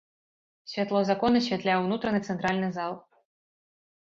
Святло з акон асвятляе ўнутраны цэнтральны зал.